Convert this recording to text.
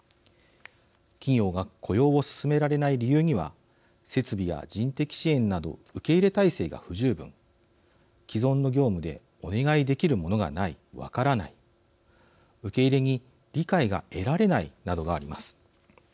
企業が雇用を進められない理由には設備や人的支援など受け入れ態勢が不十分既存の業務でお願いできるものがない分からない受け入れに理解が得られないなどがあります。